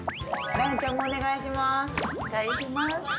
ライオンちゃんもお願いします。